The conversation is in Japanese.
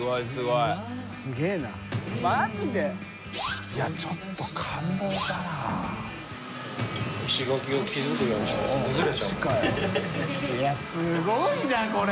いやすごいなこれ。